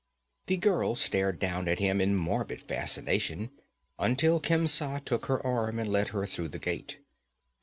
The girl stared down at him in morbid fascination, until Khemsa took her arm and led her through the gate.